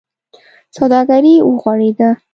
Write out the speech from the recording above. سوداګري و غوړېده.